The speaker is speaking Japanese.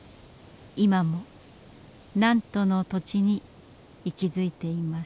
今も南砺の土地に息づいています。